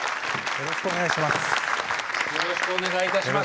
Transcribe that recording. よろしくお願いします。